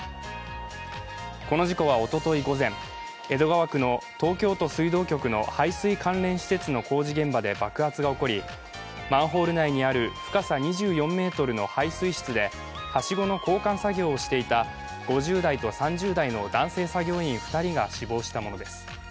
この事故はおととい午前、江戸川区の東京都水道局の排水関連施設の工事現場で爆発が起こり、マンホール内にある深さ２４ｍの排水室ではしごの交換作業をしていた５０代と３０代の男性作業員２人が死亡したものです